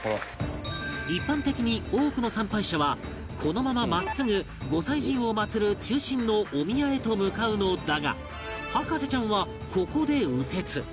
一般的に多くの参拝者はこのまま真っすぐ御祭神を祀る中心のお宮へと向かうのだが博士ちゃんはここで右折